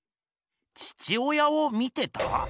父親を見てた？